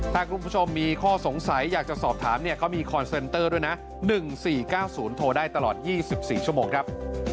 ถ้าคุณผู้ชมมีข้อสงสัยอยากจะสอบถามเนี่ยเขามีคอนเซนเตอร์ด้วยนะ๑๔๙๐โทรได้ตลอด๒๔ชั่วโมงครับ